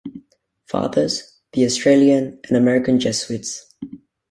Fathers, the Australian and American Jesuits.